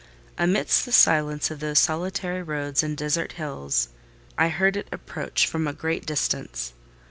Amidst the silence of those solitary roads and desert hills, I heard it approach from a great distance.